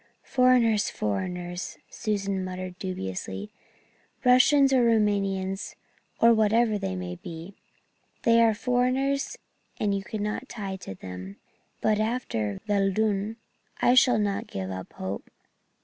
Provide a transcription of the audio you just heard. "Foreigners foreigners," Susan muttered dubiously. "Russians or Rumanians or whatever they may be, they are foreigners and you cannot tie to them. But after Verdun I shall not give up hope.